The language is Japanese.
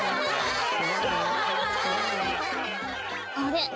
あれ？